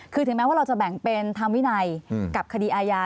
คือถึงแม้ว่าเราจะแบ่งเป็นทางวินัยกับคดีอาญา